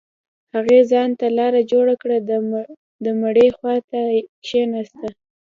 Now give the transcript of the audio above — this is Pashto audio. هغې ځان ته لاره جوړه كړه د مړي خوا ته كښېناسته.